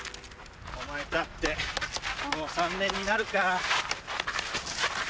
お前と会ってもう３年になるか。